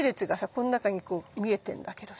この中にこう見えてんだけどさ。